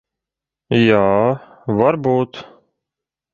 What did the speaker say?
Jā, varbūt.